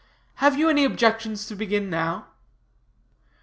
Have you any objections to begin now?"